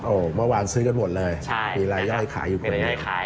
โอ้เมื่อวานซื้อกันหมดเลยมีไล่ย่อยขายอยู่คนล้านนี้ใช่มีไล่ย่อยขาย